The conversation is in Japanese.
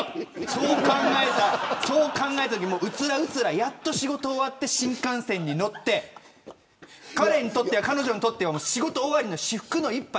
そう考えたときにうつらうつらやっと仕事終わって新幹線に乗って彼、彼女にとっては仕事終わりの至福の１杯。